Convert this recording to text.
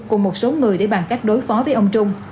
cùng một số người để bàn cách đối phó với ông trung